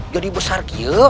jadi besar kio